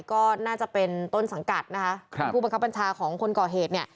ก็น่าจะเป็นต้นสังกัดคุณผู้บังคับบัญชาของคนก่อเหตุ